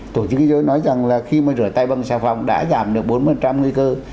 tổ chức giới nói rằng là khi mà rửa tay bằng xe phòng đã giảm được bốn mươi